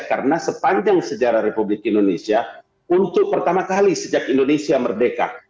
karena sepanjang sejarah republik indonesia untuk pertama kali sejak indonesia merdeka